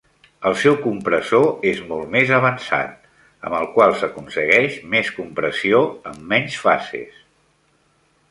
El seu compressor és molt més avançat, amb el qual s'aconsegueix més compressió amb menys fases.